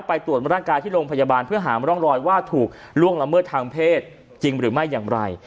ไปตรวจร่างกายที่โรงพยาบาลเพื่อหามร่องรอยว่าถูกล่วงละเมิดทางเพศจริงหรือไม่อย่างไร